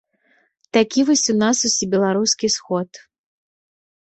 Такі вось у нас усебеларускі сход.